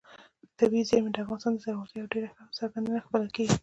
طبیعي زیرمې د افغانستان د زرغونتیا یوه ډېره ښه او څرګنده نښه بلل کېږي.